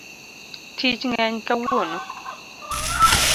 Tich ng'eny kawuono